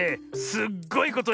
すっごいこと？